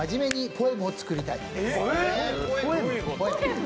ポエム。